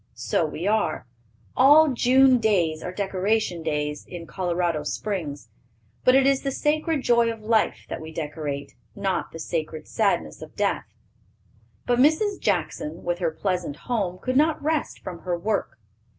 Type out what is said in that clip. So we are. All June days are decoration days in Colorado Springs, but it is the sacred joy of life that we decorate, not the sacred sadness of death." But Mrs. Jackson, with her pleasant home, could not rest from her work.